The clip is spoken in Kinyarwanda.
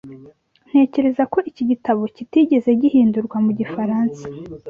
Ntekereza ko iki gitabo kitigeze gihindurwa mu gifaransa.